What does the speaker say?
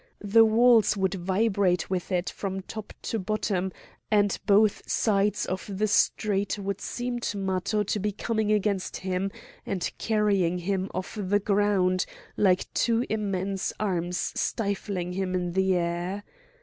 The walls would vibrate with it from top to bottom, and both sides of the street would seem to Matho to be coming against him, and carrying him off the ground, like two immense arms stifling him in the air.